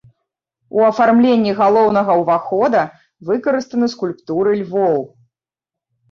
У афармленні галоўнага ўвахода выкарыстаны скульптуры львоў.